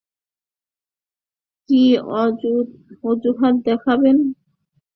কি অজুহাত দেখাবেন?